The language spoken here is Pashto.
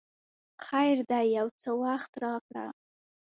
خیر دی یو څه وخت راکړه!